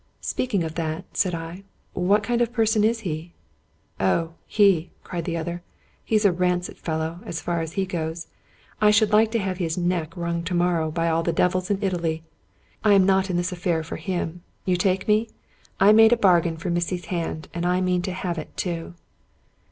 " Speaking of that," said I, " what kind of person is he? "" Oh, he !" cried the other ;" he's a rancid fellow, as far as he goes. I should like to have his neck wrung to morrow by all the devils in Italy. I am not in this affair for him. You take me? I made a bargain for missy's hand, and I mean to have it too."